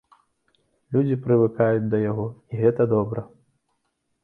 Людзі прывыкаюць да яго, і гэта добра.